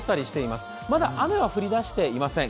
まだ雨は降り出していません。